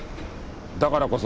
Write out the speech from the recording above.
だからこそ。